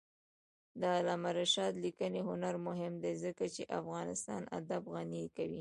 د علامه رشاد لیکنی هنر مهم دی ځکه چې افغانستان ادب غني کوي.